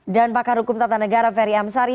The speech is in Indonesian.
dan pakar hukum tata negara ferry amsari